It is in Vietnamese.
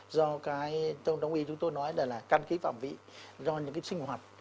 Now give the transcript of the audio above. do cái trong đồng ý chúng tôi nói là là căn khí phạm vĩ do những cái sinh hoạt